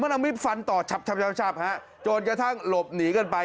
มันเอามีดฟันต่อชับฮะจนกระทั่งหลบหนีกันไป